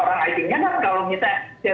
orang it nya kan kalau misalnya